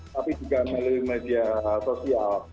tapi juga melalui media sosial